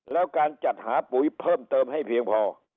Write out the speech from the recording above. แล้วการจัดหาปุ๋ยเพิ่มเติมให้เพียงพอ